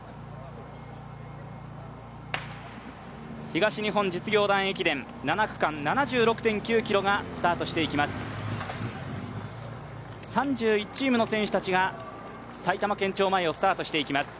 東日本実業団駅伝、７区間７６．９ｋｍがスタートしていきます。